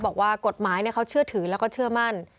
บอกว่ากฎหมายเขาเชื่อถือแล้วก็เชื่อมั่น